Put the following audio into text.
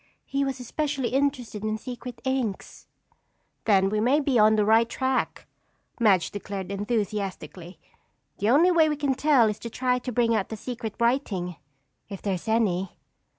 He was especially interested in secret inks." "Then we may be on the right track," Madge declared enthusiastically. "The only way we can tell is to try to bring out the secret writing, if there is any."